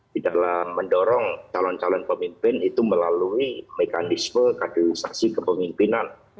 di dalam mendorong calon calon pemimpin itu melalui mekanisme kaderisasi kepemimpinan